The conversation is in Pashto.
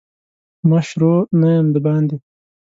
مشرو نه یم دباندي.